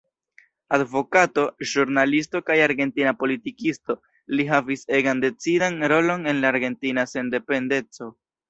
Advokato, ĵurnalisto kaj argentina politikisto, li havis egan decidan rolon en la Argentina Sendependeco.